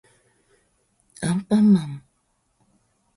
あんぱんまん